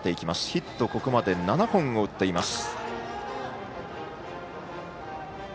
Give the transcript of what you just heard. ヒット、ここまで７本、打っています。